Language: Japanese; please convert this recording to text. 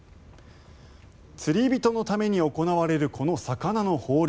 釣り人のために行われるこの魚の放流。